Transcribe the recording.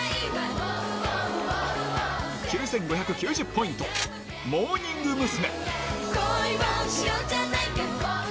９５９０ポイント、モーニング娘。